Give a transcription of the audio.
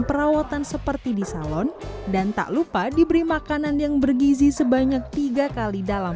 perawatan seperti di salon dan tak lupa diberi makanan yang bergizi sebanyak tiga kali dalam